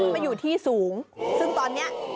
มาอยู่ที่สูงซึ่งตอนนี้